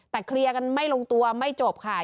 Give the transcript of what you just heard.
แต่เคลียร์กันไม่ลงตัวไม่จบค่ะ